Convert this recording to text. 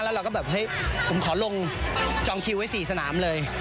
แล้วเราก็แบบเฮ้ยผมขอลงจองคิวไว้๔สนามเลย